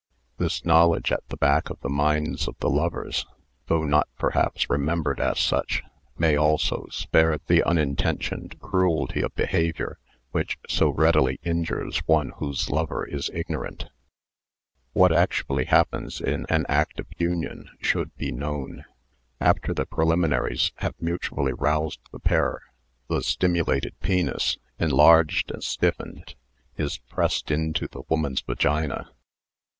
This knowledge at the back of the minds of the lovers, though not perhaps remembered as such, may also spare the unintentioned cruelty of behaviour which so readily injures one whose lover is ignorant. What actually happens in an act of union should be known. After the preliminaries have *This book is now out of print, but can be seen at the British Museum Mutual Adjustment 47 mutually roused the pair, the stimulated penis, enlarged and stiffened, is pressed into the woman's vagina.